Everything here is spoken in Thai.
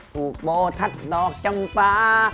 ผูกโบทัศดอกจำปลา